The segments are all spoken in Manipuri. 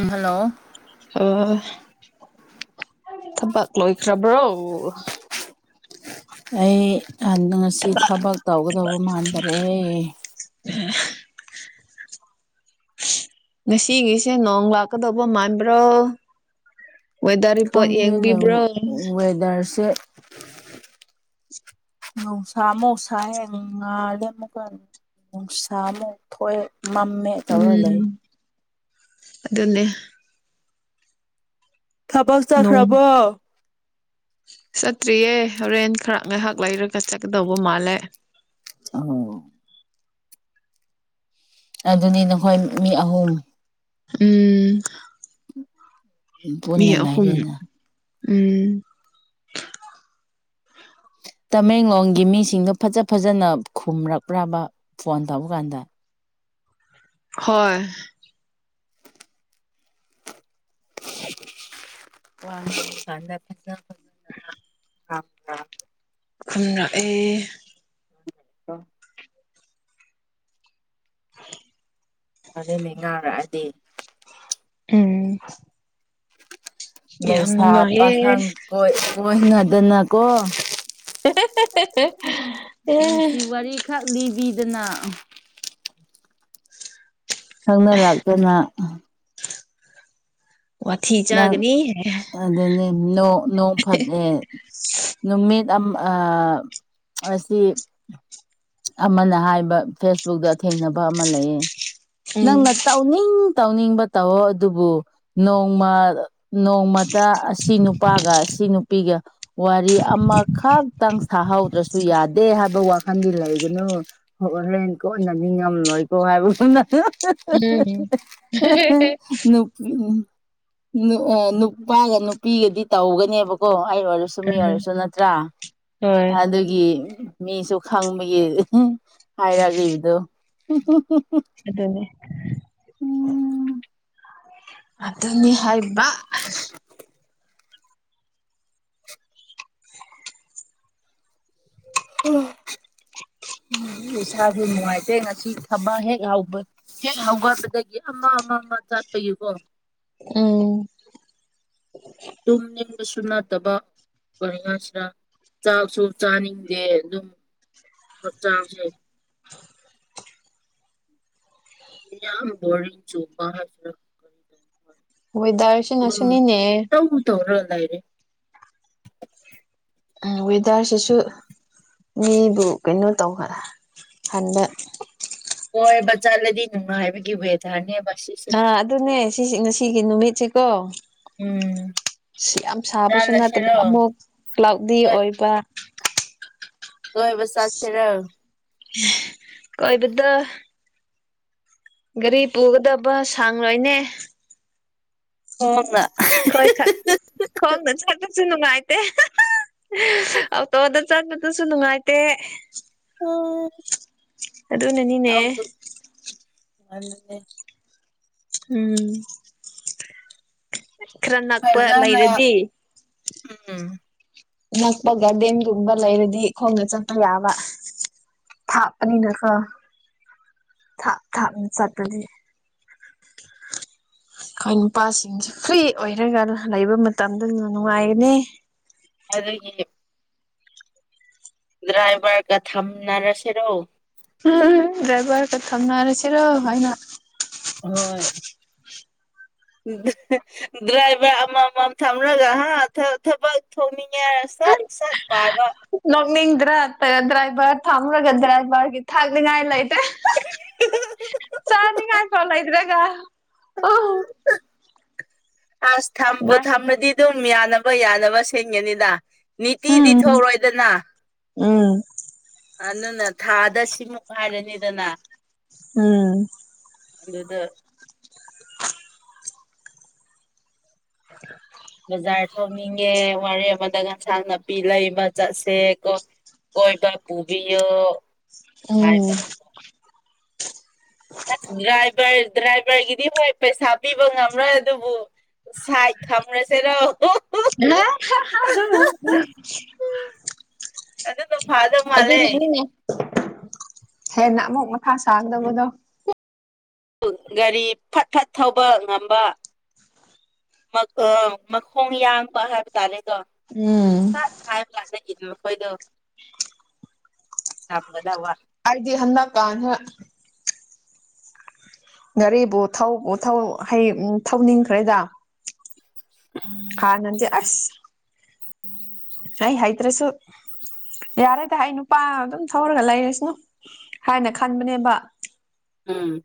ꯎꯝ ꯍꯜꯂꯣ ꯑꯣ ꯊꯕꯥꯛ ꯂꯣꯏꯈ꯭ꯔꯥꯕ꯭ꯔꯣ ꯑꯩ ꯉꯁꯤ ꯊꯕꯛ ꯇꯧꯒꯗꯧꯕ ꯃꯥꯟꯗꯔꯦ [inaudible] ꯉꯁꯤꯒꯤꯁꯦ ꯅꯣꯡ ꯂꯥꯛꯀꯗꯧꯕ ꯃꯥꯟꯕ꯭ꯔꯣ ꯋꯦꯗꯔ ꯔꯤꯄꯣꯔꯠ ꯈꯪꯗꯦꯅꯦ ꯌꯦꯡꯕꯤꯕ꯭ꯔꯣ ꯋꯦꯗꯔꯁꯦ [inaudible] ꯅꯨꯪꯁꯥ ꯃꯨꯛ ꯁꯥꯏꯌꯦ ꯉꯥꯜꯂꯦ ꯑꯃꯨꯛꯀ ꯅꯨꯡꯁꯥ ꯑꯃꯨꯛ ꯊꯣꯛꯑꯦ ꯃꯝꯃꯦ ꯇꯧꯔ ꯂꯩ ꯎꯝ ꯑꯗꯨꯅꯦ ꯊꯕꯛ ꯅꯣꯡ ꯆꯠꯈ꯭ꯔꯕꯣ ꯆꯠꯇ꯭ꯔꯤꯌꯦ ꯍꯣꯔꯦꯟ ꯈꯔ ꯉꯥꯏꯍꯥꯛ ꯂꯩꯔꯒ ꯆꯠꯀꯗꯧꯕ ꯃꯥꯜꯂꯦ ꯑꯣ ꯑꯗꯨꯅꯤ ꯅꯈꯣꯏ ꯃꯤ ꯑꯍꯨꯝ ꯎꯝ ꯎꯝ ꯃꯤ ꯄꯨꯟꯅ ꯑꯍꯨꯝ ꯂꯩꯔꯦꯅ ꯎꯝ ꯇꯃꯦꯡꯂꯣꯡꯒꯤ ꯃꯤꯁꯤꯡꯗꯣ ꯐꯖ ꯐꯖꯅ ꯈꯨꯝꯔꯛꯄꯔ꯭ꯕ ꯐꯣꯟ ꯇꯧꯕ ꯀꯥꯟꯗ ꯍꯣꯏ ꯋꯥ ꯉꯥꯡꯕ ꯀꯥꯟꯗ ꯐꯖ ꯐ ꯈꯨꯝꯔꯛꯑꯦ [inaudible] [inaudible] ꯐꯔꯦꯅꯦ ꯉꯥꯔꯛꯑꯗꯤ ꯎꯝ ꯌꯥꯝ ꯂꯩꯩꯁꯥ ꯅꯨꯡꯉꯥꯏꯌꯦ ꯄꯥꯈꯪ ꯀꯣꯏ ꯀꯣꯏꯅꯗꯅꯀꯣ ꯑꯦ ꯅꯨꯡꯁꯤ ꯋꯥꯔꯤ ꯈꯛ ꯂꯤꯕꯤꯗꯅ ꯈꯪꯅꯔꯛꯇꯅ ꯋꯥꯊꯤ ꯆꯥꯒꯅꯤ ꯑꯗꯨꯅꯦ ꯅꯣ ꯅꯣꯡ ꯐꯠꯑꯦ ꯅꯨꯃꯤꯠ ꯑꯝ ꯑꯥ ꯑꯁꯤ ꯑꯃꯅ ꯍꯥꯏꯕ ꯐꯦꯁꯕꯨꯛꯇ ꯊꯦꯡꯅꯕ ꯑꯃ ꯂꯩꯌꯦ ꯎꯝ ꯅꯪꯅ ꯇꯧꯅꯤꯡ ꯇꯧꯅꯤꯡꯕ ꯇꯧꯋꯣ ꯑꯗꯨꯕꯨ ꯅꯣꯡꯃ ꯅꯣꯡꯃꯇ ꯁꯤ ꯅꯨꯄꯥꯒ ꯁꯤ ꯅꯨꯄꯤꯒ ꯋꯥꯔꯤ ꯑꯃꯈꯛ ꯈꯤꯇꯪ ꯁꯥꯍꯧꯗ꯭ꯔꯁꯨ ꯌꯥꯗꯦ ꯍꯥꯏꯕ ꯋꯥꯈꯟꯗꯤ ꯂꯩꯒꯅꯨ ꯍꯣꯔꯦꯟ ꯀꯣꯟꯅ ꯅꯤꯉꯝꯂꯣꯏꯀꯣ ꯍꯥꯏꯕꯒꯨꯝꯅ ꯎꯝ ꯅꯨ ꯅꯨ ꯑ ꯅꯨꯄꯥꯒ ꯅꯨꯄꯤꯒꯗꯤ ꯇꯧꯒꯅꯦꯕꯀꯣ ꯑꯩ ꯑꯣꯏꯔꯁꯨ ꯁꯨ ꯃꯤ ꯎꯝ ꯑꯣꯏꯔꯁꯨ ꯅꯠꯇ꯭ꯔꯥ ꯍꯣꯏ ꯑꯗꯨꯒꯤ ꯃꯤꯁꯨ ꯈꯪꯕꯒꯤ ꯍꯥꯏꯔꯛꯔꯤꯕꯗꯨ ꯑꯗꯨꯅꯦ ꯑꯗꯨꯅꯤ ꯍꯥꯏꯕ ꯑꯥ ꯎꯝ ꯏꯁꯥꯁꯨ ꯅꯨꯡꯉꯥꯏꯇꯦ ꯉꯁꯤ ꯊꯕꯛ ꯍꯦꯛ ꯍꯧꯕ ꯍꯦꯛ ꯍꯧꯒꯠꯄꯗꯒꯤ ꯑꯃ ꯑꯃ ꯑꯃ ꯆꯠꯄꯒꯤꯀꯣ ꯎꯝ ꯇꯨꯝꯅꯤꯡꯕꯁꯨ ꯅꯠꯇꯕ [unintelligible] ꯆꯥꯛꯁꯨ ꯆꯥꯅꯤꯡꯗꯦ ꯑꯗꯨꯝ ꯍꯛꯆꯥꯡꯁꯦ ꯌꯥꯝ ꯕꯣꯔꯤꯡ ꯆꯨꯕꯥ ꯍꯥꯏꯁꯤꯔ [unintelligible] ꯑꯗꯧꯝ ꯇꯧꯕꯨ ꯇꯧꯔ ꯂꯩꯔꯦ ꯎꯝ ꯋꯦꯗꯔꯁꯤꯁꯨ ꯃꯤꯕꯨ ꯀꯩꯅꯣ ꯇꯧꯕ ꯍꯟꯕ ꯀꯣꯏꯕ ꯆꯠꯂꯗꯤ ꯅꯨꯡꯉꯥꯏꯕꯒꯤ ꯋꯦꯗꯔꯅꯦꯕꯥ ꯁꯤꯁꯦ ꯑ ꯑꯗꯨꯅꯦ ꯁꯤꯁꯤ ꯉꯁꯤꯒꯤ ꯅꯨꯃꯤꯠꯁꯤꯀꯣ ꯎꯝ ꯌꯥꯝ ꯁꯥꯕꯁꯨ ꯅꯠꯇꯕ ꯆꯠꯂꯁꯤꯔꯣ ꯑꯃ ꯀ꯭ꯂꯥꯎꯗꯤ ꯍꯣꯏ ꯑꯣꯏꯕ ꯀꯣꯏꯕ ꯆꯠꯀꯦꯔꯣ ꯀꯣꯏꯕꯗꯣ ꯒꯥꯔꯤ ꯄꯨꯒꯗꯕ ꯁꯥꯡꯂꯣꯏꯅꯦ [unintelligible] ꯈꯔ ꯈꯛ ꯈꯣꯡꯅ ꯆꯠꯄꯁꯨ ꯅꯨꯡꯉꯥꯏꯇꯦ ꯑꯣꯇꯣꯗ ꯆꯠꯄꯗꯨꯁꯨ ꯅꯨꯡꯉꯥꯏꯇꯦ [unintelligible] ꯑꯗꯨꯅꯅꯤ [inaudible] ꯎꯝ ꯈꯔꯥꯅꯥ ꯐꯖꯅ ꯎꯝ ꯅꯛꯄ ꯒꯥꯔꯗꯦꯟꯒꯨꯝꯕ ꯂꯩꯔꯗꯤ ꯈꯣꯡꯅ ꯆꯠꯄ ꯌꯥꯕ ꯊꯥꯞꯄꯅꯤꯅꯀꯣ ꯊꯥꯞ ꯊꯥꯞꯅ ꯆꯠꯄꯗꯤ ꯑꯈꯣꯏ ꯅꯨꯄꯥꯁꯤꯡꯁꯦ ꯐ꯭ꯔꯤ ꯑꯣꯏꯔꯒ ꯂꯩꯕ ꯃꯇꯝꯗꯨ ꯅꯨꯡꯉꯥꯏꯒꯅꯤ ꯑꯗꯥꯒꯤ ꯗ꯭ꯔꯥꯏꯚꯔꯒ ꯊꯝꯅꯔꯁꯤꯔꯣ ꯗ꯭ꯔꯥꯏꯚꯔ ꯀ ꯊꯝꯅꯔꯁꯤꯔꯣ ꯍꯥꯏꯅ ꯍꯣꯏ ꯗ꯭ꯔꯥꯏꯚꯔ ꯑꯃ ꯃꯥꯝ ꯊꯝꯔꯒ ꯍꯥ ꯊꯥ ꯊꯕꯛ ꯊꯣꯛꯅꯤꯡꯉꯦ ꯍꯥꯏꯔ ꯁꯠ ꯁꯠ ꯄꯥꯏꯕ ꯅꯣꯛꯅꯤꯡꯗ꯭ꯔꯥ ꯗ꯭ꯔꯥꯏꯚꯔ ꯊꯝꯔꯒ ꯗ꯭ꯔꯥꯏꯚꯔꯒꯤ ꯊꯥꯛꯅꯤꯡꯉꯥꯏ ꯂꯩꯇꯦ ꯆꯥꯅꯤ ꯉꯥꯏ ꯐꯥꯎ ꯂꯩꯇ꯭ꯔꯒꯥ [unintelligible] ꯑꯁ ꯊꯝꯕꯨ ꯊꯝꯔꯗꯤ ꯑꯗꯨꯝ ꯌꯥꯅꯕ ꯌꯥꯅꯕ ꯁꯤꯟꯒꯅꯤꯗ ꯅꯤꯇꯤ ꯗꯤ ꯎꯝ ꯊꯧꯔꯣꯏꯗꯅ ꯎꯝ ꯑꯗꯨꯅ ꯊꯥꯗ ꯁꯤꯃꯨꯛ ꯍꯥꯏꯔꯅꯤꯗꯅ ꯎꯝ ꯑꯗꯨꯗ [unintelligible] ꯕꯖꯥꯔ ꯊꯣꯛꯅꯤꯡꯉꯦ ꯋꯥꯔꯦ ꯑꯃꯗ ꯑꯦꯟꯁꯥꯡ ꯅꯥꯄꯤ ꯂꯩꯕ ꯆꯠꯁꯦꯀꯣ ꯀꯣꯏꯕ ꯄꯨꯕꯤꯌꯣ ꯎꯝ ꯍꯥꯏꯕ ꯑꯁ ꯗ꯭ꯔꯥꯏꯚꯔ ꯗ꯭ꯔꯥꯏꯚꯔꯒꯤꯗꯤ ꯍꯣꯏ ꯄꯩꯁꯥ ꯄꯤꯕ ꯉꯝꯔꯣꯏ ꯑꯗꯨꯕꯨ ꯁꯥꯏꯠ ꯊꯝꯔꯁꯦꯔꯣ [unintelligible] ꯑꯗꯨꯅ ꯐꯥꯗꯧ ꯃꯥꯜꯂꯦ ꯑꯗꯨꯅꯅꯤꯅꯦ ꯍꯦꯟꯅ ꯑꯃꯨꯛ ꯃꯊꯥ ꯁꯥꯒꯗꯕꯗꯣ ꯒꯥꯔꯤ ꯐꯠ ꯐꯠ ꯊꯧꯕ ꯉꯝꯕ ꯃꯈꯣꯡ ꯑꯥ ꯃꯈꯣꯡ ꯌꯥꯡꯕ ꯍꯥꯏꯕ ꯇꯥꯔꯦꯗꯣ ꯎꯝ ꯍꯥꯏꯕꯥ ꯀꯟꯗ ꯏꯟꯕ ꯃꯈꯣꯏꯗꯣ ꯊꯝꯒꯗꯕ ꯑꯩꯗꯤ ꯍꯟꯗꯛꯀꯥꯟꯗ ꯒꯥꯔꯤꯕꯨ ꯊꯧꯕꯨ ꯊꯧ ꯍꯩ ꯊꯧꯅꯤꯡꯈ꯭ꯔꯦꯗ ꯎꯝ ꯍꯥꯟꯅꯗꯤ ꯑꯁ ꯑꯩ ꯍꯩꯇ꯭ꯔꯁꯨ ꯌꯥꯔꯦꯗ ꯑꯩ ꯅꯨꯄꯥ ꯑꯗꯨꯝ ꯊꯧꯔꯒ ꯂꯩꯔꯁꯅꯨ ꯍꯥꯏꯅ ꯈꯟꯕꯅꯦꯕ ꯎꯝ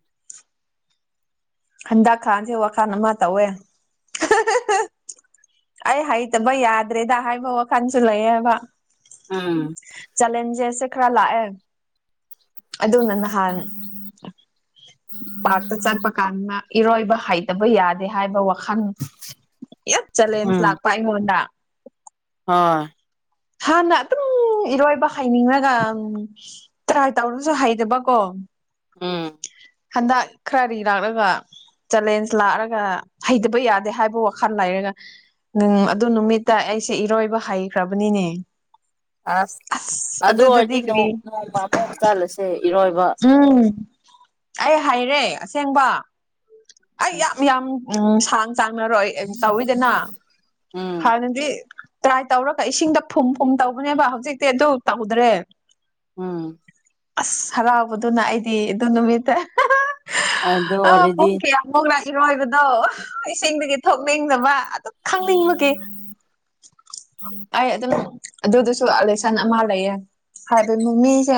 ꯍꯟꯗꯛ ꯈꯔꯗꯤ ꯋꯥꯈꯜ ꯑꯃ ꯇꯧꯋꯦ ꯍꯥ ꯍꯥ ꯍꯥ ꯑꯩ ꯍꯩꯇꯕ ꯌꯥꯗ꯭ꯔꯦꯗ ꯍꯥꯏꯕ ꯋꯥꯈꯜꯁꯨ ꯂꯩꯌꯦꯕ ꯎꯝ ꯆꯂꯦꯟꯖꯦꯁ ꯁꯦ ꯈꯔ ꯂꯥꯛꯑꯦ ꯑꯗꯨꯅ ꯅꯍꯥꯥꯟ ꯄꯥꯛꯇ ꯆꯠꯄ ꯀꯥꯟꯗ ꯏꯔꯣꯏꯕ ꯍꯩꯇꯕ ꯌꯥꯗꯦ ꯍꯥꯏꯕ ꯋꯥꯈꯜ ꯌꯥꯝ ꯆꯦꯂꯦꯟꯖ ꯎꯝ ꯂꯥꯛꯄ ꯑꯩꯉꯣꯟꯗ ꯍꯣꯏ ꯍꯥꯟꯅ ꯑꯗꯨꯝ ꯏꯔꯣꯏꯕ ꯍꯩ ꯅꯤꯡꯉꯒ ꯇ꯭ꯔꯥꯏ ꯇꯧꯔꯁꯨ ꯍꯩꯗꯕꯀꯣ ꯎꯝ ꯍꯟꯗꯛ ꯈꯔ ꯔꯤ ꯂꯥꯛꯂꯒ ꯆꯦꯂꯦꯟꯖ ꯂꯥꯛꯑꯒ ꯍꯩꯇꯕ ꯌꯥꯗꯦ ꯍꯥꯏꯕ ꯋꯥꯈꯜ ꯂꯩꯔꯒ ꯎꯝ ꯑꯗꯨ ꯅꯨꯃꯤꯠꯇ ꯑꯩꯁꯦ ꯏꯔꯣꯏꯕ ꯍꯩꯈ꯭ꯔꯕꯅꯤꯅꯦ ꯑꯁ ꯑꯗꯨ ꯑꯗꯨꯗꯗꯤ ꯑꯣꯏꯔꯗꯤ ꯀꯔꯤ ꯅꯣꯡ ꯅꯣꯡꯃ ꯑꯃꯨꯛ ꯆꯠꯂꯁꯦ ꯏꯔꯣꯏꯕ ꯎꯝ ꯑꯩ ꯍꯩꯔꯦ ꯑꯁꯦꯡꯕ ꯑꯩ ꯌꯥꯝ ꯌꯥꯝ ꯎꯝ ꯁꯥꯡ ꯆꯥꯡ ꯇꯧꯋꯤꯗꯅ ꯎꯝ ꯍꯥꯟꯅꯗꯤ ꯇ꯭ꯔꯥꯏ ꯇꯧꯔꯒ ꯏꯁꯤꯡꯗ ꯐꯨꯝ ꯐꯨꯝ ꯇꯧꯕꯅꯦꯕ ꯍꯧꯖꯤꯛꯇꯤ ꯑꯗꯨ ꯇꯧꯗ꯭ꯔꯦ ꯎꯝ ꯑꯁ ꯍꯔꯥꯎꯕꯗꯨꯅ ꯑꯩꯗꯤ ꯑꯗꯨ ꯅꯨꯃꯤꯠꯇ ꯑꯗꯨ ꯑ ꯑꯣꯏꯔꯗꯤ ꯄꯨꯡ ꯀꯌꯥ ꯐꯧꯅꯣ ꯏꯔꯣꯏꯕꯗꯣ ꯏꯁꯤꯡꯗꯒꯤ ꯊꯣꯛꯅꯤꯡꯗꯕ ꯈꯪꯅꯤꯡꯕꯒꯤ ꯑꯩ ꯑꯗꯨꯝ ꯑꯗꯨꯗꯨꯁꯨ ꯂꯦꯁꯟ ꯑꯃ ꯂꯩꯌꯦ ꯍꯥꯏꯕꯗꯤ ꯃꯤꯁꯦ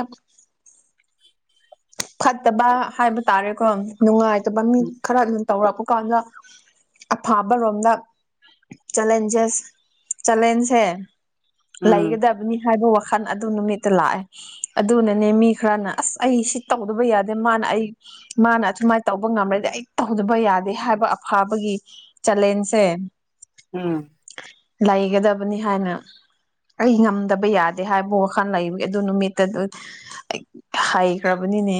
ꯐꯠꯇꯕ ꯍꯥꯏꯕ ꯇꯥꯔꯦꯀꯣ ꯅꯨꯡꯉꯥꯏꯇꯕ ꯃꯤ ꯈꯔ ꯇꯧꯔꯛꯄ ꯀꯥꯟꯗ ꯑꯐꯕꯔꯣꯝꯗ ꯆꯦꯂꯦꯟꯖꯦꯁ ꯆꯦꯂꯦꯟꯖꯁꯦ ꯎꯝ ꯂꯩꯒꯗꯕꯅꯤ ꯍꯥꯏꯕ ꯋꯥꯈꯜ ꯈꯜ ꯑꯗꯨ ꯅꯨꯃꯤꯠꯇ ꯂꯥꯛꯑꯦ ꯑꯗꯨꯅꯅꯦ ꯃꯤ ꯈꯔꯅ ꯑꯁ ꯑꯩ ꯁꯤ ꯇꯧꯗꯕ ꯌꯥꯗꯦ ꯃꯥꯅ ꯑꯩ ꯃꯥꯅ ꯑꯁꯨꯃꯥꯏꯅ ꯇꯧꯕ ꯉꯝꯔꯗꯤ ꯑꯩ ꯇꯧꯗꯕ ꯌꯥꯗꯦ ꯍꯥꯏꯕ ꯑꯐꯕꯒꯤ ꯆꯦꯂꯦꯟꯖꯁꯦ ꯎꯝ ꯂꯩꯒꯗꯕꯅꯤ ꯍꯥꯏꯅ ꯑꯩ ꯉꯝꯗꯕ ꯌꯥꯗꯦ ꯍꯥꯏꯕ ꯋꯥꯈꯜ ꯂꯩꯕꯒꯤ ꯑꯗꯨ ꯅꯨꯃꯤꯠꯇ ꯑꯗꯨ ꯑꯩ ꯍꯩ ꯈ꯭ꯔꯥꯕꯅꯤꯅꯦ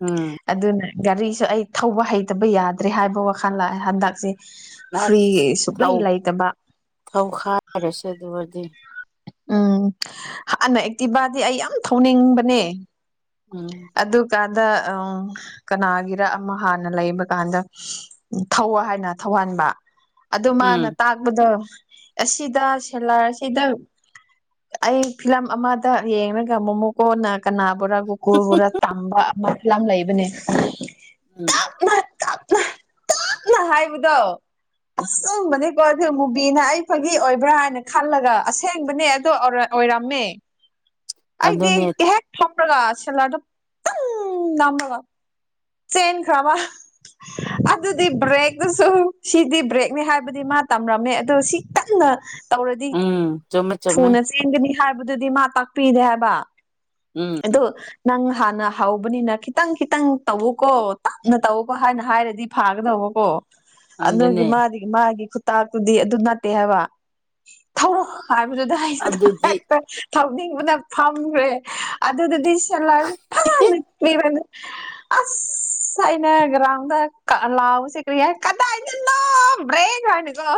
ꯎꯝ ꯑꯗꯨꯅ ꯒꯥꯔꯤꯁꯨ ꯑꯩ ꯊꯧꯕ ꯍꯩꯇꯕ ꯌꯥꯗ꯭ꯔꯦ ꯍꯥꯏꯕ ꯋꯥꯈꯜ ꯂꯥꯛꯑꯦ ꯍꯟꯗꯛꯁꯦ ꯐ꯭ꯔꯤ ꯑꯁ ꯁꯨꯨꯛ ꯂꯩ ꯊꯧꯕ ꯂꯩꯇꯕ ꯊꯧꯈꯥꯏꯔꯁꯦ ꯑꯗꯨ ꯑꯣꯏꯔꯗꯤ ꯎꯝ ꯍꯥꯟꯅ ꯑꯦꯛꯇꯤꯕꯥꯗꯤ ꯑꯩ ꯌꯥꯝ ꯊꯧꯅꯤꯡꯕꯅꯦ ꯎꯝ ꯑꯗꯨꯒ ꯀꯥꯟꯗ ꯎꯝ ꯀꯅꯥꯒꯤꯔ ꯑꯃ ꯍꯥꯟꯅ ꯂꯩꯕ ꯀꯥꯟꯗ ꯊꯧꯑꯣ ꯍꯥꯏꯅ ꯊꯧꯍꯟꯕ ꯑꯗꯨ ꯃꯥꯅ ꯎꯝ ꯇꯥꯛꯄꯗꯣ ꯑꯁꯤꯗ ꯁꯦꯂꯥꯔ ꯑꯁꯤꯗ ꯑꯩ ꯐꯤꯂꯝ ꯑꯃꯗ ꯌꯦꯡꯉꯒ ꯃꯣꯃꯣꯀꯣꯅ ꯀꯅꯥꯕꯨꯔꯥ ꯒꯣꯀꯨꯜ ꯕꯨꯔꯥ ꯇꯝꯕ ꯑꯃ ꯐꯤꯂꯝ ꯂꯩꯕꯅꯦ ꯎꯝ ꯇꯞꯅ ꯇꯞꯅ ꯍꯥꯏꯕꯗꯣ ꯎꯝ ꯑꯆꯨꯝꯕꯅꯤ ꯀꯣ ꯑꯗꯨ ꯃꯨꯕꯤꯅ ꯑꯩ ꯐꯒꯤ ꯑꯣꯏꯕ꯭ꯔꯥ ꯍꯥꯏꯅ ꯈꯜꯂꯒ ꯑꯁ ꯑꯁꯦꯡꯕꯅꯦ ꯑꯗꯣ ꯑꯣꯔꯥ ꯑꯣꯏꯔꯝꯃꯦ ꯑꯩꯗꯤ ꯑꯗꯨꯅꯦ ꯍꯦꯛ ꯊꯝꯔꯒ ꯁꯦꯂꯔꯗ ꯇꯪ ꯅꯝꯕꯒ ꯆꯦꯟꯈ꯭ꯔꯕ ꯑꯗꯨꯗꯤ ꯕ꯭ꯔꯦꯛꯇꯨꯁꯨ ꯁꯤꯗꯤ ꯕ꯭ꯔꯦꯛꯅꯤ ꯍꯥꯏꯕꯗꯤ ꯃꯥ ꯇꯝꯔꯝꯃꯦ ꯑꯗꯨ ꯁꯤ ꯀꯟꯅ ꯇꯧꯔꯗꯤ ꯎꯝ ꯆꯨꯝꯃꯦ ꯆꯨꯝꯃꯦ ꯊꯨꯅ ꯆꯦꯟꯒꯅꯤ ꯍꯥꯏꯕꯗꯨꯗꯤ ꯃꯥ ꯇꯥꯛꯄꯤꯗꯦ ꯍꯥꯏꯕ ꯎꯝ ꯑꯗꯨ ꯅꯪ ꯍꯥꯟꯅ ꯍꯧꯕꯅꯤꯅ ꯈꯤꯇꯪ ꯈꯤꯇꯪ ꯇꯧꯎꯀꯣ ꯇꯞꯅ ꯇꯧꯀꯣ ꯍꯥꯏꯅ ꯍꯥꯏꯔꯗꯤ ꯐꯥꯒꯗꯧꯕꯀꯣ ꯑꯗꯨꯒꯤ ꯑꯗꯨꯅꯦ ꯃꯥꯗꯤ ꯃꯥꯒꯤ ꯈꯨꯇꯥꯛꯇꯨꯗꯤ ꯑꯗꯨ ꯅꯠꯇꯦ ꯍꯥꯏꯕ ꯊꯧꯔꯣ ꯍꯥꯏꯕꯗꯨꯗ ꯑꯩꯩꯅ ꯑꯗꯨꯗꯤ ꯍꯦꯛꯇ ꯊꯧꯅꯤꯡꯕꯅ ꯐꯝꯈ꯭ꯔꯦ ꯑꯗꯨꯗꯨꯗꯤ ꯁꯦꯂꯔꯖꯤ ꯐꯔꯥ ꯅꯤꯛꯂꯤꯕꯅꯤ ꯑꯁ ꯑꯩꯅ ꯒ꯭ꯔꯥꯎꯗ ꯀ ꯂꯥꯎꯕꯁꯤ ꯀ꯭ꯔꯤ ꯍꯥꯏ ꯀꯗꯥꯏꯗꯅꯣ ꯕ꯭ꯔꯦꯛ ꯍꯥꯏꯅ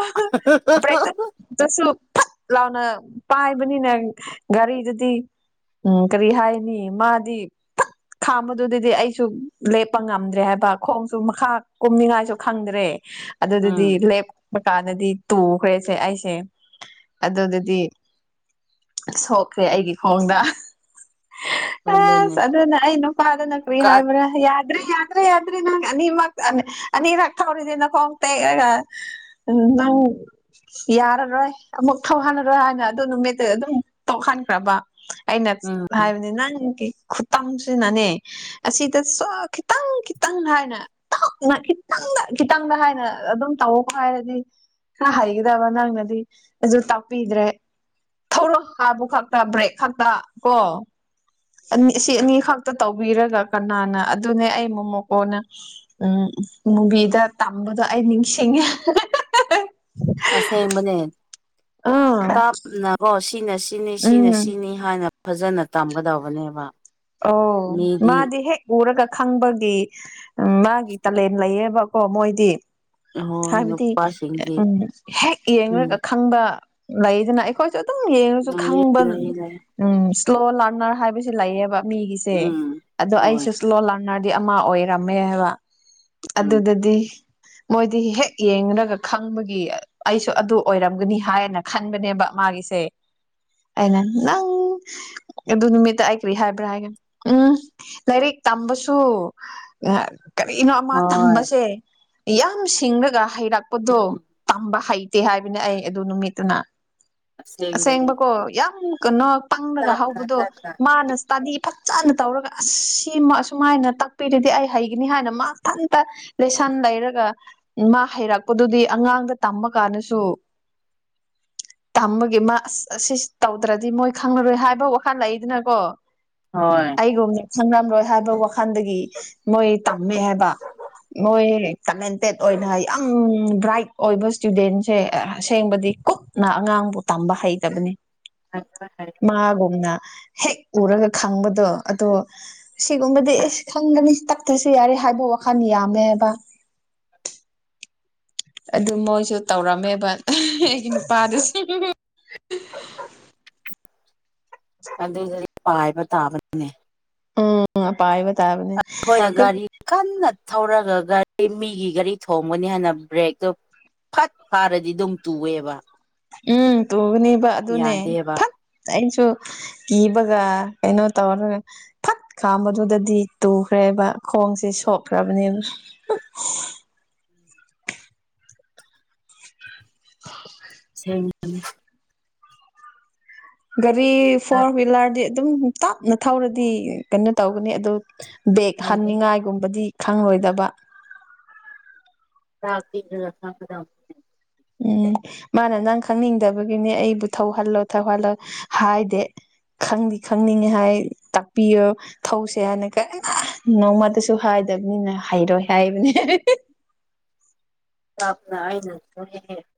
ꯕꯔꯦꯛꯇꯠ ꯇꯁꯨ ꯐꯠ ꯂꯥꯎꯅ ꯄꯥꯏꯕꯅꯤꯅꯦ ꯒꯥꯔꯤꯗꯨꯗꯤ ꯎꯝ ꯀꯔꯤ ꯍꯥꯏꯅꯤ ꯃꯥꯗꯤ ꯐꯠ ꯈꯥꯝꯕꯗꯨꯗꯗꯤ ꯑꯩꯁꯨ ꯂꯦꯞꯄ ꯉꯝꯗ꯭ꯔꯦ ꯍꯥꯏꯕ ꯈꯣꯡꯁꯨ ꯃꯈꯥ ꯀꯨꯝꯅꯤꯡꯉꯥꯏꯁꯨ ꯈꯪꯗ꯭ꯔꯦ ꯎꯝ ꯑꯗꯨꯗꯨꯗꯤ ꯂꯦꯞꯄ ꯀꯥꯟꯗꯗꯤ ꯇꯨꯈ꯭ꯔꯦꯁꯦ ꯑꯩꯁꯦ ꯑꯗꯨꯗꯗꯤ ꯁꯣꯛꯈ꯭ꯔꯦ ꯑꯩꯒꯤ ꯈꯣꯡꯗ ꯑꯗꯨꯅꯦ ꯑꯁ ꯑꯗꯨꯅ ꯑꯩ ꯅꯨꯄꯥꯗꯨꯅ ꯀꯔꯤ ꯀꯠ ꯍꯥꯏꯕ꯭ꯔ ꯌꯥꯗ꯭ꯔꯦ ꯌꯥꯗ꯭ꯔꯦ ꯌꯥꯗ꯭ꯔꯦ ꯅꯪ ꯑꯅꯤꯃꯛ ꯑꯅꯤꯔꯛ ꯊꯧꯔꯗꯤ ꯅꯈꯣꯡ ꯇꯦꯛꯑꯒ ꯎꯝ ꯅꯪ ꯌꯥꯔꯔꯣꯏ ꯑꯃꯨꯛ ꯊꯧꯍꯜꯂꯔꯣꯏ ꯍꯥꯏꯅ ꯑꯗꯨ ꯅꯨꯃꯤꯠꯇꯨ ꯑꯗꯨꯝ ꯇꯣꯛꯍꯟꯈ꯭ꯔꯕ ꯑꯩꯅ ꯎꯝ ꯍꯥꯏꯕꯅꯤ ꯅꯪꯒꯤ ꯈꯨꯠꯇꯝꯁꯤꯅꯅꯦ ꯑꯁꯤꯗꯁꯣ ꯈꯤꯇꯪ ꯈꯤꯇꯪ ꯍꯥꯏꯅ ꯇꯣꯛꯅ ꯈꯤꯇꯪꯗ ꯈꯤꯇꯪꯗ ꯍꯥꯏꯅ ꯑꯗꯨꯝ ꯇꯧꯑꯣꯕ ꯍꯥꯏꯔꯗꯤ ꯍꯥ ꯍꯩꯒꯗꯕ ꯅꯪꯅꯗꯤ ꯖꯨ ꯇꯥꯛꯄꯤꯗ꯭ꯔꯦ ꯊꯧꯔꯣ ꯍꯥꯕꯨ ꯈꯛꯇ ꯕ꯭ꯔꯦꯛ ꯈꯛꯇ ꯀꯣ ꯁꯤ ꯑꯅꯤ ꯈꯛꯇ ꯇꯧꯕꯤꯔꯒ ꯀꯅꯥꯅ ꯑꯗꯨꯅꯦ ꯑꯩ ꯃꯣꯃꯣꯀꯣꯅ ꯎꯝ ꯃꯨꯚꯤꯗ ꯇꯝꯕꯗꯣ ꯑꯩ ꯅꯤꯡꯁꯤꯡꯉꯦ ꯑꯁꯦꯡꯕꯅꯦ ꯈꯔ ꯇꯥꯞꯅꯀꯣ ꯁꯤꯅ ꯁꯤꯅꯤ ꯁꯤꯅ ꯎꯝ ꯁꯤꯅꯤ ꯍꯥꯟꯅ ꯐꯖꯅ ꯇꯝꯒꯗꯧꯕꯅꯦꯕ ꯑꯣ ꯃꯤꯗꯤ ꯃꯥꯗꯤ ꯍꯦꯛ ꯎꯔꯒ ꯈꯪꯕꯒꯤ ꯃꯥꯒꯤ ꯇꯂꯦꯟ ꯂꯩꯌꯦꯕ ꯀꯣ ꯃꯣꯏꯗꯤ ꯍꯣꯏ ꯍꯥꯏꯕꯗꯤ ꯅꯨꯄꯥꯁꯤꯡꯗꯤ ꯎꯝ ꯍꯦꯛ ꯎꯝ ꯌꯦꯡꯔꯒ ꯈꯪ ꯈꯪꯕ ꯂꯩꯗꯅ ꯑꯩꯈꯣꯏꯁꯨ ꯑꯗꯨꯝ ꯌꯦꯡꯔꯁꯨ ꯂꯩꯌꯦ ꯈꯪꯕ ꯂꯩꯌꯦ ꯂꯩꯌꯦ ꯎꯝ ꯁ꯭ꯂꯣ ꯂꯔꯅꯔ ꯍꯥꯏꯕꯁꯨ ꯂꯩꯌꯦꯕ ꯃꯤꯒꯤꯁꯦ ꯎꯝ ꯑꯗꯣ ꯍꯣꯏ ꯑꯩꯁꯨ ꯂꯣ ꯂꯥꯅꯔꯗꯤ ꯑꯃ ꯑꯣꯏꯔꯝꯃꯦ ꯍꯥꯏꯕ ꯎꯝ ꯑꯗꯨꯗꯗꯤ ꯃꯣꯏꯗꯤ ꯍꯦꯛ ꯌꯦꯡꯔꯒ ꯈꯪꯕꯒꯤ ꯑꯩꯁꯨ ꯑꯗꯨ ꯑꯣꯏꯔꯝꯒꯅꯤ ꯍꯥꯏꯅ ꯈꯟꯕꯅꯦꯕ ꯃꯥꯒꯤꯁꯦ ꯑꯩꯅ ꯅꯪ ꯑꯗꯨ ꯅꯨꯃꯤꯠꯇ ꯑꯩ ꯀꯔꯤ ꯍꯥꯏ ꯕꯔ꯭ ꯍꯥꯏꯒ ꯎꯝ ꯂꯥꯏꯔꯤꯛ ꯇꯝꯕꯁꯨ ꯀꯔꯤꯅꯣ ꯑꯃ ꯍꯣꯏ ꯇꯝꯕꯁꯦ ꯌꯥꯝ ꯁꯤꯡꯔꯒ ꯍꯩꯔꯛꯄꯗꯣ ꯎꯝ ꯇꯝꯕ ꯍꯩꯇꯦ ꯍꯥꯏꯕꯅꯦ ꯑꯩ ꯑꯗꯨ ꯅꯨꯃꯤꯠꯇꯨꯅ ꯑꯁꯦꯡꯕꯅꯦ ꯑꯁꯦꯡꯕꯀꯣ ꯌꯥꯝ ꯀꯅꯣ ꯄꯪꯔꯒ ꯇꯞꯅ ꯍꯧꯕꯗꯣ ꯇꯞꯅ ꯃꯥꯅ ꯇꯥꯗꯤ ꯐꯖꯅ ꯇꯧꯔꯒ ꯑꯁꯤꯃ ꯑꯁꯨꯃꯥꯏꯅ ꯇꯥꯛꯄꯤꯔꯗꯤ ꯑꯩ ꯍꯩꯒꯅꯤ ꯍꯥꯏꯅ ꯃꯊꯟꯇ ꯂꯦꯁꯟ ꯂꯩꯔꯒ ꯃꯥ ꯍꯩꯔꯛꯄꯗꯨꯗꯤ ꯑꯉꯥꯡꯗ ꯇꯃ ꯀꯥꯟꯗꯁꯨ ꯇꯝꯕꯒꯤ ꯃꯥ ꯑꯁ ꯑꯁꯤ ꯇꯧꯗ꯭ꯔꯗꯤ ꯃꯣꯏ ꯈꯪꯂꯔꯣꯏ ꯍꯥꯏꯕ ꯋꯥꯈꯟ ꯂꯩꯗꯅꯀꯣ ꯍꯣꯏ ꯑꯩꯒꯨꯝꯅ ꯈꯪꯔꯝꯔꯣꯏ ꯍꯥꯏꯕ ꯋꯥꯈꯟꯗꯒꯤ ꯃꯣꯏ ꯇꯝꯃꯦ ꯍꯥꯏꯕ ꯃꯣꯏ ꯀꯃꯦꯟꯇꯦꯠ ꯑꯣꯏꯅ ꯌꯥꯝ ꯕ꯭ꯔꯥꯏꯠ ꯑꯣꯏꯕ ꯏꯁꯇꯨꯗꯦꯟꯁꯦ ꯑꯁꯦꯡꯕꯗꯤ ꯀꯨꯛ ꯅ ꯑꯉꯥꯡꯕꯨ ꯇꯝꯕ ꯍꯩꯇꯕꯅꯤ [unintelligible] ꯃꯥꯒꯨꯝꯅ ꯍꯦꯛ ꯎꯔꯒ ꯈꯪꯕꯗꯣ ꯑꯗꯣ ꯁꯤꯒꯨꯝꯕꯗꯤ ꯏꯁ ꯈꯪꯒꯅꯤ ꯇꯛꯇ꯭ꯔꯁꯨ ꯌꯥꯔꯦ ꯍꯥꯏꯕ ꯋꯥꯈꯟ ꯌꯥꯝꯃꯦꯕ ꯑꯗꯨ ꯃꯣꯏꯁꯨ ꯇꯧꯔꯝꯃꯦꯕ ꯑꯩꯒꯤ ꯅꯨꯄꯥꯗꯨꯁꯨ ꯑꯗꯨꯗꯨꯗꯤ ꯄꯥꯏꯕ ꯇꯥꯕꯅꯤꯅꯦ ꯎꯝ ꯄꯥꯏꯕ ꯇꯥꯕꯅꯦ ꯍꯣꯏ ꯑꯗꯨ ꯒꯥꯔꯤ ꯀꯟꯅ ꯊꯧꯔꯒ ꯒꯥꯔꯤ ꯃꯤꯒꯤ ꯒꯥꯔꯤ ꯊꯣꯝꯒꯅꯤ ꯍꯥꯏꯅ ꯕ꯭ꯔꯦꯛꯇꯣ ꯐꯠ ꯐꯥꯔꯗꯤ ꯗꯨꯝ ꯇꯨꯑꯦꯕ ꯎꯝ ꯇꯨꯒꯅꯤꯕ ꯑꯗꯨꯅꯦ ꯌꯥꯗꯦꯕ ꯐꯠ ꯑꯩꯁꯨ ꯀꯤꯕꯒ ꯀꯩꯅꯣ ꯇꯧꯔꯒ ꯐꯠ ꯈꯥꯝꯕꯗꯨꯗꯗꯤ ꯇꯨꯈ꯭ꯔꯦꯕ ꯈꯣꯡꯁꯦ ꯁꯣꯛꯈ꯭ꯔꯕꯅꯦꯕ [inaudible] ꯑꯁꯦꯡꯕꯅꯦ ꯒꯥꯔꯤ ꯆꯥꯛ ꯐꯣꯔ ꯋꯤꯂꯔꯗꯤ ꯑꯗꯨꯝ ꯇꯥꯞꯅ ꯊꯧꯔꯗꯤ ꯀꯩꯅꯣ ꯇꯧꯒꯅꯤ ꯑꯗꯨ ꯕꯦꯒ ꯍꯩꯒꯅꯤ ꯍꯟꯅꯤꯡꯉꯥꯏꯒꯨꯝꯕꯗꯤ ꯈꯪꯂꯣꯏꯗꯕ ꯁꯥꯞꯇꯤꯖ꯭ꯔ [unintelligible] ꯁꯥꯡ ꯈꯗ ꯎꯝ ꯃꯥꯅ ꯅꯪ ꯈꯪꯅꯤꯡꯗꯕꯒꯤꯅꯦ ꯑꯩꯕꯨ ꯊꯧꯍꯜꯂꯣ ꯊꯧꯍꯜꯂꯣ ꯍꯥꯏꯗꯦ ꯈꯪꯗꯤ ꯈꯪꯅꯤꯡꯉꯤ ꯍꯥꯏ ꯇꯥꯛꯄꯤꯌꯨ ꯊꯧꯁꯦ ꯍꯥꯏꯅ ꯀꯟꯅ ꯅꯣꯡꯃꯇꯁꯨ ꯍꯥꯏꯗꯕꯅꯤꯅ ꯍꯩꯔꯣꯏ ꯍꯥꯏꯕꯅꯦ ꯇꯥꯞꯅ ꯑꯩꯅ [unintelligible]